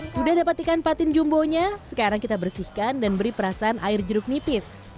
sudah dapat ikan patin jumbonya sekarang kita bersihkan dan beri perasaan air jeruk nipis